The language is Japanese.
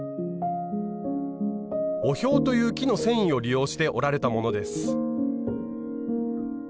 オヒョウという木の繊維を利用して織られたものです。